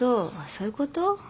そういうこと？